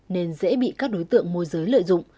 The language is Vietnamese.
nên dễ bị các đối tượng môi giới lợi dụng